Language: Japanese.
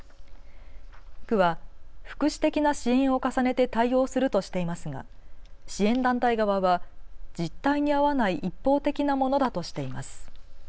区は福祉的な支援を重ねて対応するとしていますが支援団体側は実態に合わない一方的なものだとしています。